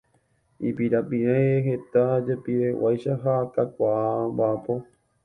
Ipirapire heta jepiveguáicha ha kakuaa omba'apo.